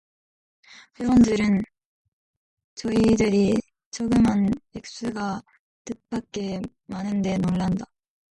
회원들은 저희들이 저금한 액수가 뜻밖에 많은 데 놀란다.